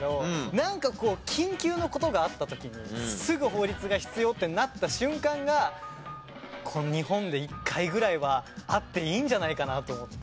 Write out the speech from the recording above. なんかこう緊急の事があった時にすぐ法律が必要ってなった瞬間が日本で一回ぐらいはあっていいんじゃないかなと思って。